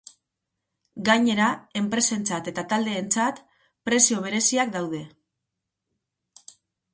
Gainera, enpresentzat eta taldeentzat prezio bereziak daude.